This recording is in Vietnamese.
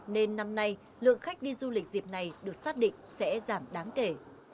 nên năm nay lượng khách đi du lịch dịp này được xác định sẽ giảm đáng kể